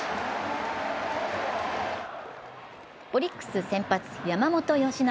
オリックス先発・山本由伸。